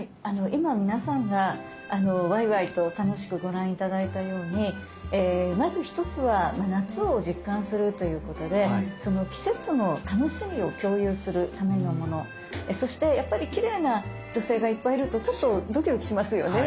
今皆さんがワイワイと楽しくご覧頂いたようにまず１つは夏を実感するということでそしてやっぱりきれいな女性がいっぱいいるとちょっとドキドキしますよね。